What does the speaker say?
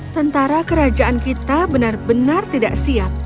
tentara kerajaan kita benar benar tidak siap